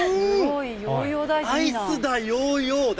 うん、アイスだヨーヨーだ。